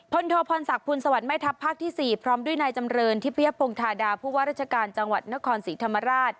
โทพรศักดิ์สวรรค์แม่ทัพภาคที่๔พร้อมด้วยนายจำเรินทิพยพงธาดาผู้ว่าราชการจังหวัดนครศรีธรรมราช